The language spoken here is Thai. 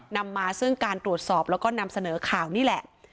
นำมาซึ่งการตรวจสอบแล้วก็นำเสนอข่าวนี่แหละ